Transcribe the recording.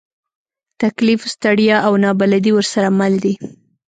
تکلیف، ستړیا، او نابلدي ورسره مل دي.